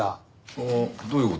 ああどういう事？